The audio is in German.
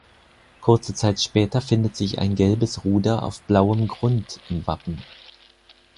Kurze Zeit später findet sich ein gelbes Ruder auf blauem Grund im Wappen.